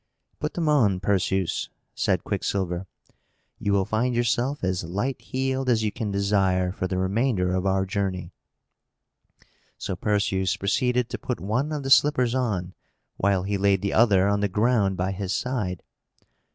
"Put them on, Perseus," said Quicksilver. "You will find yourself as light heeled as you can desire for the remainder of our journey." So Perseus proceeded to put one of the slippers on, while he laid the other on the ground by his side.